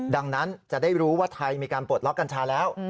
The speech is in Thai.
ดังนั้นจะได้รู้ว่าไทยมีการปลดล็อกกัญชาแล้ว